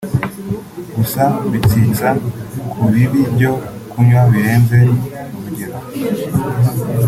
gusa bitsitsa ku bibi byo kunywa birenze urugero